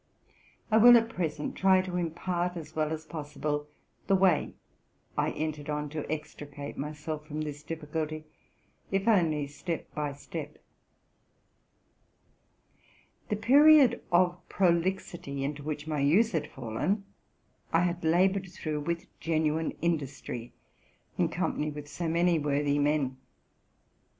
I will at present try to impart, as well as possible, the way I entered on to extri cate myself from this difficulty, if only step by step. The period of prolixity into which my youth had fallen, I had labored through with genuine industry, in company with so many worthy men.